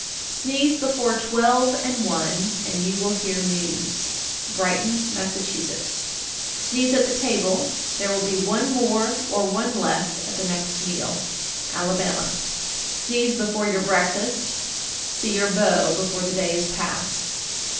Sneeze before twelve and one, and you will hear news. Brighton, Mass. 1431. Sneeze at the table, there will be one more or one less at the next meal. Alabama. 1432. Sneeze before your breakfast, See your beau before the day is past.